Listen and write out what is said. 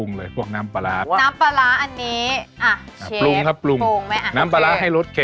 เมล็คขอโทษนะคะค่ะดิฉันจะเคลียร์ให้แม่